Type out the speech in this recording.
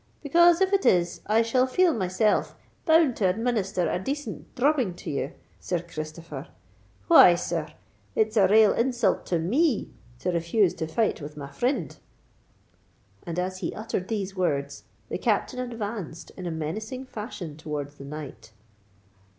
"Because, if it is, I shall feel myself bound to administer a dacent drubbing to ye, Sir Christopher. Why, sir—it's a rale insult to me to refuse to fight with my frind!" And, as he uttered these words, the Captain advanced in a menacing fashion towards the knight.